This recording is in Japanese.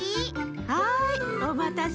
はいおまたせ。